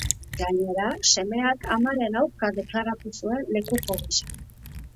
Gainera, semeak amaren aurka deklaratu zuen lekuko gisa.